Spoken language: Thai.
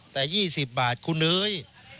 แต่๒๐บาทคุณเอ๋ย